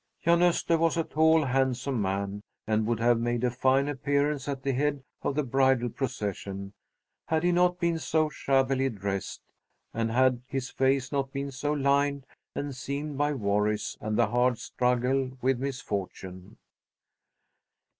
Jan Öster was a tall handsome man, and would have made a fine appearance at the head of the bridal procession, had he not been so shabbily dressed, and had his face not been so lined and seamed by worries and the hard struggle with misfortune.